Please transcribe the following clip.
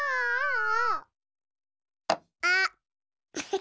あっ。